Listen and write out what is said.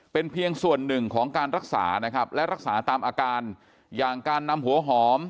เป็นเพียงส่วนหนึ่งของการรักษานะครับและรักษาตามอาการอย่างการนำหัวหอม